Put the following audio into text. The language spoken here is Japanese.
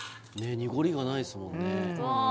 濁りがないですもんねわあ